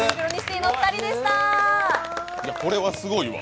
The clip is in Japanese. これはすごいわ。